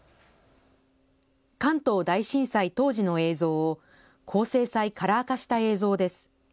関東大震災当時の映像を高精細カラー化した映像です。